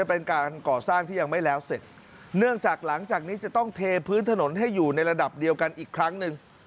เป็นการก่อสร้างที่ยังไม่แล้วเสร็จเนื่องจากหลังจากนี้จะต้องเทพื้นถนนให้อยู่ในระดับเดียวกันอีกครั้งหนึ่ง